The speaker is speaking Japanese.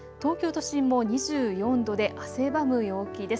東京都心も２４度で汗ばむ陽気です。